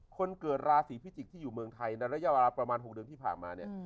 คนเกิดราศีพิจิกษ์ที่อยู่เมืองไทยในระยะเวลาประมาณ๖เดือนที่ผ่านมาเนี่ย